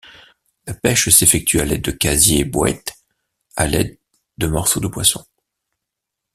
La pêche s'effectue à l'aide de casier boëte à l'aide de morceaux de poissons.